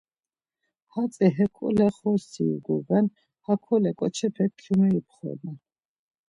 Hatzi hekole xortsi iguben, hakole ǩoçepek kyume ipxornan.